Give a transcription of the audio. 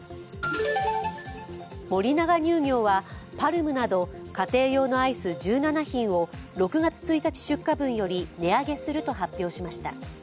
森永乳業は、ＰＡＲＭなど家庭用のアイス１７品を６月１日出荷分より値上げすると発表しました。